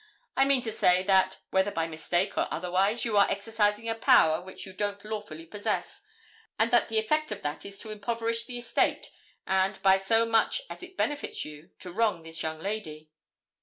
I mean to say, that, whether by mistake or otherwise, you are exercising a power which you don't lawfully possess, and that the effect of that is to impoverish the estate, and, by so much as it benefits you, to wrong this young lady.'